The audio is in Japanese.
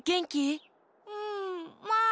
うんまあ。